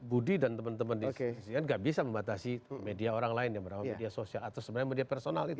budi dan teman teman di situ kan nggak bisa membatasi media orang lain yang berapa media sosial atau sebenarnya media personal itu